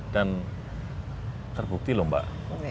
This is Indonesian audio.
dan terbukti lho mbak